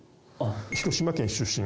広島県出身